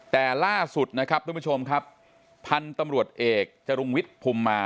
แต่ล่าสุดนะครับทุกผู้ชมครับพันธุ์ตำรวจเอกจรุงวิทย์ภูมิมา